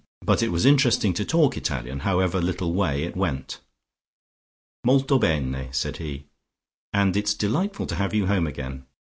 But it was interesting to talk Italian, however little way it went. "Molto bene," said he, "and it's delightful to have you home again.